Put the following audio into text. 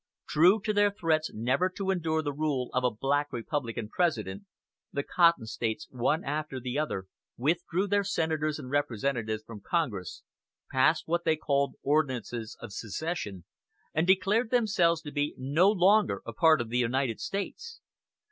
True to their threats never to endure the rule of a "Black Republican" President, the Cotton States one after the other withdrew their senators and representatives from Congress, passed what they called "Ordinances of Secession," and declared themselves to be no longer a part of the United States.